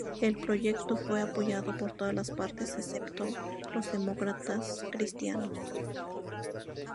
El proyecto fue apoyado por todas las partes excepto los Demócratas Cristianos.